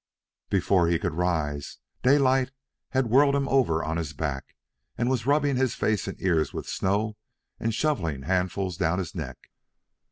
Before he could rise, Daylight had whirled him over on his back and was rubbing his face and ears with snow and shoving handfuls down his neck.